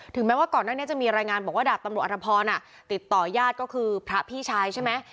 แม้ว่าก่อนหน้านี้จะมีรายงานบอกว่าดาบตำรวจอธพรติดต่อยาดก็คือพระพี่ชายใช่ไหม